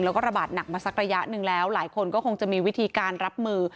แล้วก็ระบาดหนักมาสักระยะหนึ่งแล้วหลายคนก็คงจะมีวิธีการรับมือ